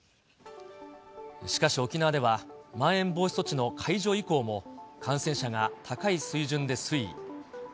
しかし沖縄では、まん延防止措置の解除以降も、感染者が高い水準で推移。